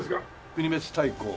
国別対抗。